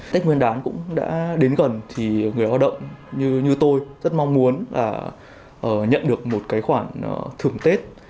tết nguyên đán cũng đã đến gần thì người lao động như tôi rất mong muốn là nhận được một cái khoản thưởng tết